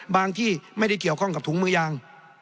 ที่ไม่ได้เกี่ยวข้องกับถุงมือยาง